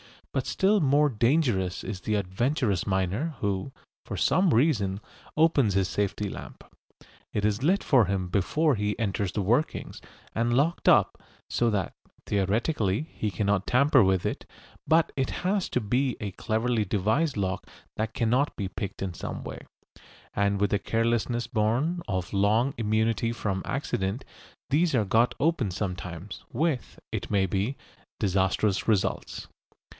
But still more dangerous is the adventurous miner who, for some reason, opens his safety lamp. It is lit for him before he enters the workings, and locked up, so that, theoretically, he cannot tamper with it; but it has to be a cleverly devised lock that cannot be picked in some way, and with the carelessness born of long immunity from accident these are got open sometimes, with, it may be, disastrous results.